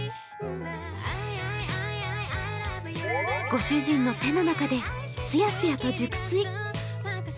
ご主人の手の中ですやすやと熟睡。